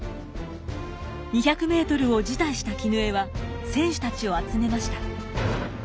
２００ｍを辞退した絹枝は選手たちを集めました。